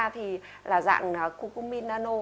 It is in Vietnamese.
thì là dạng cu cu min nano